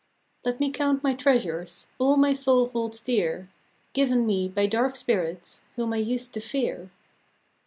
T ET me count my treasures, All my soul holds dear, Given me by dark spirits Whom I used to fear.